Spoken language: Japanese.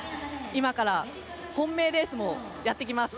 今から本命レースもやってきます。